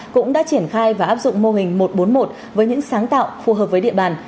cũng đã triển khai và áp dụng mô hình một trăm bốn mươi một với những sáng tạo phù hợp với địa bàn